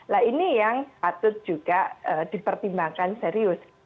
nah ini yang patut juga dipertimbangkan serius